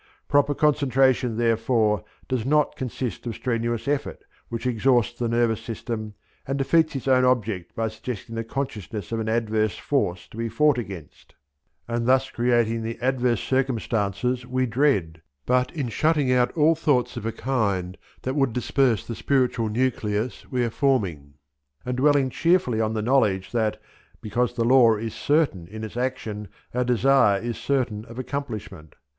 Proper concentration, therefore, does not consist of strenuous effort which exhausts the nervous system and defeats its own object by suggesting the consciousness of an adverse force to be fought against, and thus creating the adverse circumstances we dread; but in shutting out all thoughts of a kind that would disperse the spiritual nucleus we are forming and dwelling cheerfully on the knowledge that, because the law is certain in its action, our desire is certain of accomplishment.